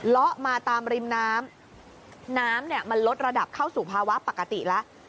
ละมาตามริมน้ำน้ำเนี่ยมันลดระดับเข้าสู่ภาวะปกติแล้ว